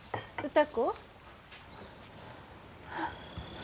歌子。